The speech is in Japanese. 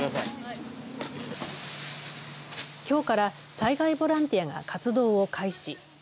きょうから災害ボランティアが活動を開始。